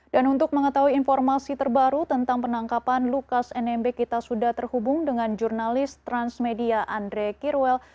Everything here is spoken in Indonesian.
dan untuk mengetahui informasi terbaru tentang penangkapan lukas nmb kita sudah terhubung dengan jurnalis transmedia andre kirwel